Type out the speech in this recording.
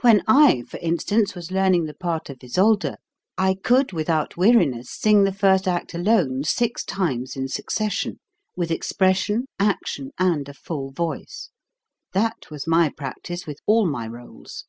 When I, for instance, was learning the part of Isolde, I could without weariness sing the first act alone six times in succession, with expression, action, and a full voice. That was my practice with all my roles.